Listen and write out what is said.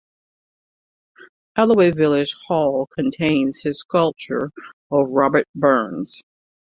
Alloway village hall contains his sculpture of Robert Burns.